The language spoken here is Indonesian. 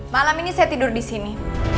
malam ini saya tidur disini